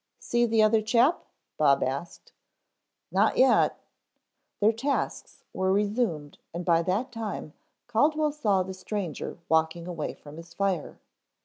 See the other chap?" Bob asked. "Not yet." Their tasks were resumed and by that time Caldwell saw the stranger walking away from his fire.